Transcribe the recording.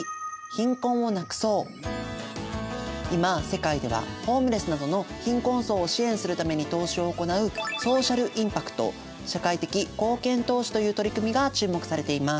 今世界ではホームレスなどの貧困層を支援するために投資を行うソーシャル・インパクト社会的貢献投資という取り組みが注目されています。